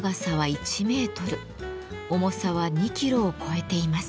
重さは２キロを超えています。